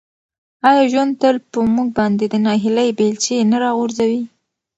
آیا ژوند تل په موږ باندې د ناهیلۍ بیلچې نه راغورځوي؟